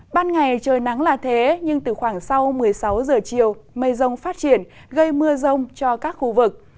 ban ngày trời nắng là thế nhưng từ khoảng sau một mươi sáu giờ chiều mây rông phát triển gây mưa rông cho các khu vực